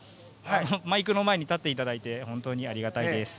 マイクの前に立っていただいて本当にありがたいです。